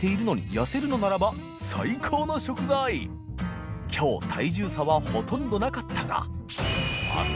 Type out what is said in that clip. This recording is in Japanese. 痩せるのならば嚢發凌燹磴腓体重差はほとんどなかったが△弘聞